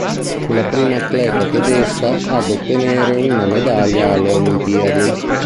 Fu la prima atleta tedesca ad ottenere una medaglia alle olimpiadi.